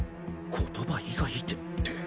言葉以外でって。